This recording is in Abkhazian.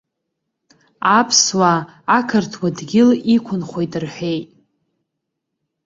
Аԥсуаа ақырҭуа дгьыл иқәынхоит рҳәеит.